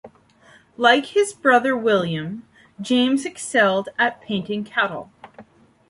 Like his brother William, James excelled at painting cattle.